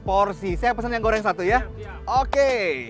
porsi saya pesan yang goreng satu ya oke